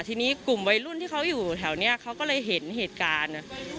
ทีนี้กลุ่มวัยรุ่นที่เขาอยู่แถวนี้เขาก็เลยเห็นเหตุการณ์